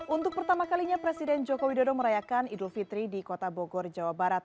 untuk pertama kalinya presiden joko widodo merayakan idul fitri di kota bogor jawa barat